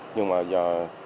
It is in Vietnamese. nhưng mà giờ